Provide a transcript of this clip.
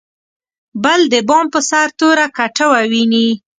بل د بام په سر توره کټوه ویني.